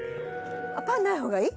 あパンない方がいい？